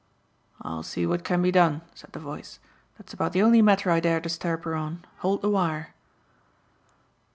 "I'll see what can be done," said the voice. "That's about the only matter I dare disturb her on. Hold the wire."